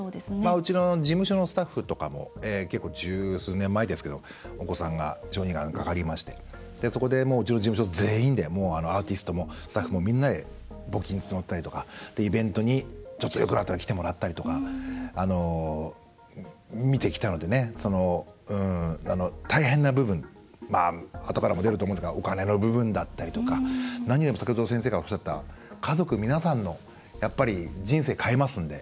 うちの事務所のスタッフとかも十数年前ですけど、お子さんが小児がんにかかりましてそこで、うちの事務所全員でアーティストもスタッフもみんなで募金募ったりとかイベントに、ちょっとよくなったら来てもらったりとか見てきたので、大変な部分あとからも出ると思うんですがお金の部分だったりとか何よりも、先ほど先生がおっしゃった家族、皆さんの人生変えますんで。